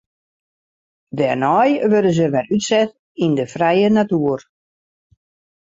Dêrnei wurde se wer útset yn de frije natuer.